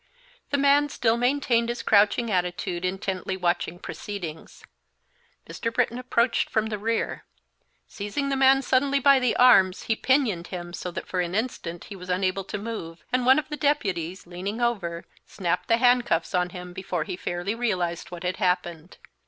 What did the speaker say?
The man still maintained his crouching attitude, intently watching proceedings. Mr. Britton approached from the rear. Seizing the man suddenly by the arms, he pinioned him so that for an instant he was unable to move, and one of the deputies, leaning over, snapped the handcuffs on him before he fairly realized what had happened.